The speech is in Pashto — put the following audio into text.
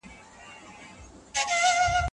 موږ ټول د یوه لوی ټولنیز نظام برخه یو.